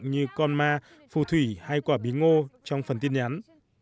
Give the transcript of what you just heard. như con ma phù thủy hay quả bí ngô trong phần tin nhắn